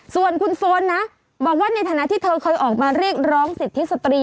ส่วนคุณโฟนนะบอกว่าในฐานะที่เธอเคยออกมาเรียกร้องสิทธิสตรี